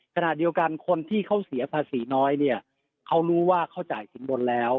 ขณะเดียวกันคนที่เขาเสียภาษีน้อยเนี่ยเขารู้ว่าเขาจ่ายสินบนแล้ว